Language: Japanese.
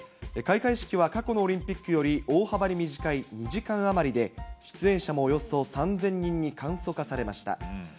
開会式は過去のオリンピックより大幅に短い２時間余りで、出演者もおよそ３０００人に簡素化されました。